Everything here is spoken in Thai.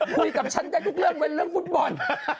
คุยกับฉันได้ทุกเรื่องเว้นเรื่องฟุตบอล